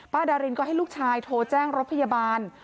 ดารินก็ให้ลูกชายโทรแจ้งรถพยาบาล